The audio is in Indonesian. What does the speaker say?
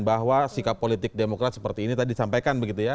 bahwa sikap politik demokrat seperti ini tadi disampaikan begitu ya